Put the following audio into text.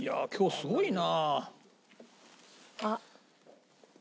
すごいな。